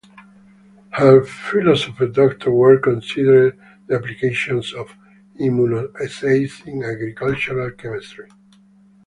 Her PhD work considered the applications of immunoassays in agricultural chemistry.